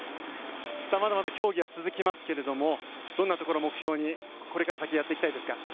まだまだ競技は続きますけれどもどんなところを目標にこれから先やっていきたいですか。